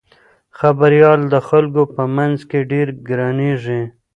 خبریال د خلکو په منځ کې ډېر ګرانیږي.